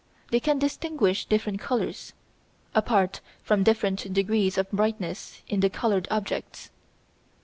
They can distinguish different colours, apart from different degrees of brightness in the coloured objects.